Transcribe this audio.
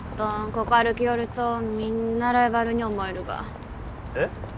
ここ歩きよるとみんなライバルに思えるがえっ？